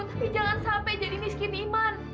tapi jangan sampai jadi miskin iman